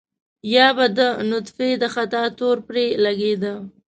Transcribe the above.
يا به د نطفې د خطا تور پرې لګېده.